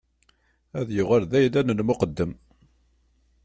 Ad yuɣal d ayla n lmuqeddem.